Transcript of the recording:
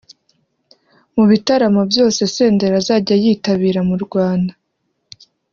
Mu bitaramo byose Senderi azajya yitabira mu Rwanda